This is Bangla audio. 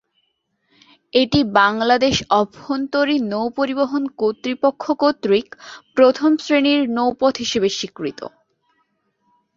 এটি বাংলাদেশ অভ্যন্তরীণ নৌপরিবহন কর্তৃপক্ষ কর্তৃক প্রথম শ্রেণির নৌপথ হিসেবে স্বীকৃত।